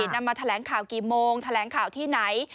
นำมาแถลงข่าวกี่โมงแถลงข่าวที่ไหน